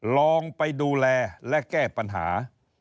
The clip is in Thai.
ลองไปดูแลและแก้ปัญหา